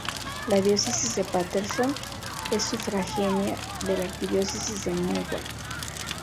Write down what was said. La Diócesis de Paterson es sufragánea de la Arquidiócesis de Newark.